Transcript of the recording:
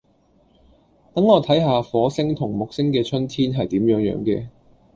等我睇吓火星同木星嘅春天係點樣樣嘅